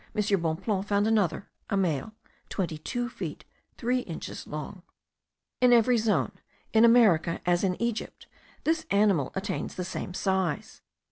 Bonpland found another, a male, twenty two feet three inches long. In every zone, in America as in Egypt, this animal attains the same size.